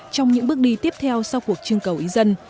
trong những bước đi tiếp theo sau cuộc trưng cầu ý dân